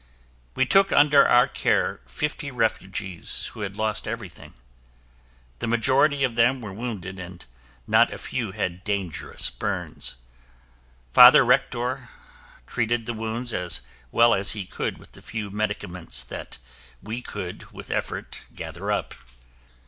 We took under our care fifty refugees who had lost everything. The majority of them were wounded and not a few had dangerous burns. Father Rektor treated the wounds as well as he could with the few medicaments that we could, with effort, gather up.